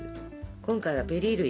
今回はベリー類。